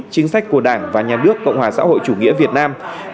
chính sách của đảng và nhà nước cộng hòa xã hội chủ nghĩa việt nam